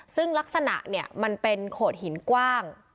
ซึ่งลักษณะเนี่ยมันเป็นโขดหินกว้าง